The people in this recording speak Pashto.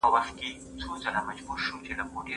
غزل ته مي د راز د مزار باد راغلی دی